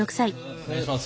お願いいたします。